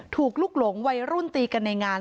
ถูกลุกหลงวัยรุ่นตีกันในงาน